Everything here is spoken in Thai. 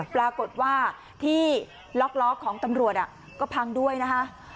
ปรากฏว่าที่ล็อกล้อของตำรวจก็พังด้วยนะคะ